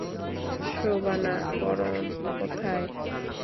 শোবানা, পরম কোথায়?